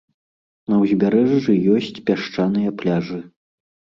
На ўзбярэжжы ёсць пясчаныя пляжы.